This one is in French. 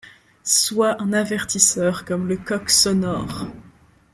Sois un avertisseur comme le coq sonore ;